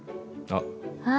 あっ。